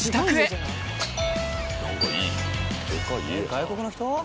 外国の人？